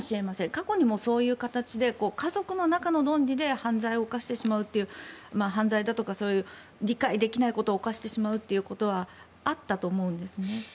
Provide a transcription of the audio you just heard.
過去にもそういう形で家族の中の論理で犯罪を犯してしまうというそういう理解できないことを犯してしまうということはあったと思うんですね。